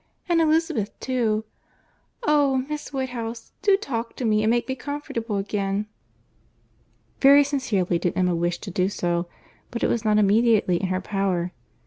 And Elizabeth, too. Oh! Miss Woodhouse, do talk to me and make me comfortable again." Very sincerely did Emma wish to do so; but it was not immediately in her power.